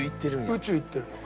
宇宙行ってるの。